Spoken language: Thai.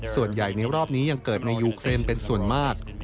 ส่วนใหญ่ในรอบนี้ยังเกิดในยุเครนเป็นส่วนมาก